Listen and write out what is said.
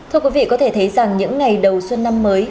thưa quý vị có thể thấy rằng những ngày đầu xuân năm mới